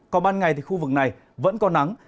còn ban ngày thì khu vực này vẫn có nắng